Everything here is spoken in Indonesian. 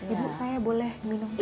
ibu saya boleh minum